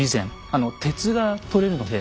あの鉄がとれるので。